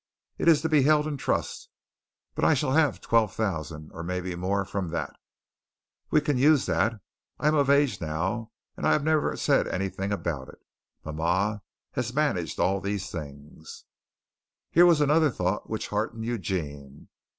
It is to be held in trust, but I shall have twelve thousand or maybe more from that. We can use that. I am of age now, and I have never said anything about it. Mama has managed all these things." Here was another thought which heartened Eugene.